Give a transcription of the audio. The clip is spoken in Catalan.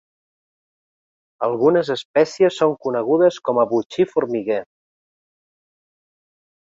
Algunes espècies són conegudes com a botxí formiguer.